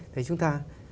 thì chúng ta